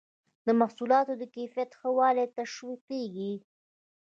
د محصولاتو د کیفیت ښه والی تشویقیږي.